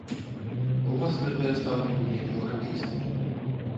У вас гэтае стаўленне еўрапейскае.